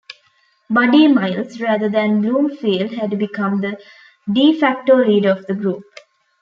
Buddy Miles, rather than Bloomfield, had become the "de facto" leader of the group.